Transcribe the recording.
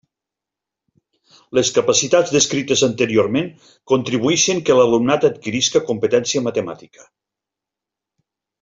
Les capacitats descrites anteriorment contribuïxen que l'alumnat adquirisca competència matemàtica.